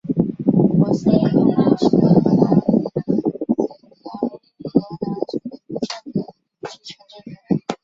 博斯科普是荷兰南荷兰省的一个镇的基层政权。